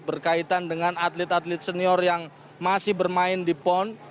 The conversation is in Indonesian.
berkaitan dengan atlet atlet senior yang masih bermain di pon